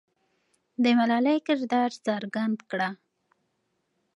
د ملالۍ کردار څرګند کړه.